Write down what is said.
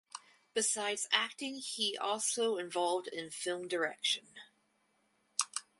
Besides acting he also involved in film direction.